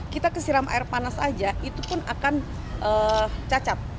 kita kesiram air panas aja itu pun akan cacat